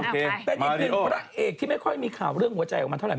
แปลกพระเอกที่ไม่ค่อยมีข่าวเรื่องหัวใจออกมาเท่าไหร่